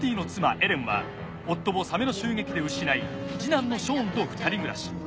エレンは夫をサメの襲撃で失い次男のショーンと２人暮らし。